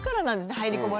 入り込まれない。